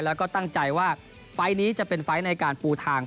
แล้วก็ตั้งใจว่าไฟล์นี้จะเป็นไฟล์ในการปูทาง